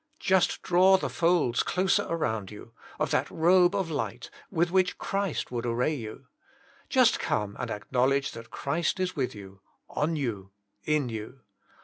Just draw the folds closer round you, of that robe of light with which Christ would array you. Just come and ac knowledge that Christ is with you, on you, in you.